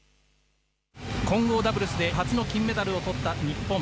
混合ダブルスで、初の金メダルをとった日本。